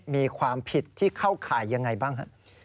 มีความผิดที่เข้าข่ายยังไงบ้างฮะ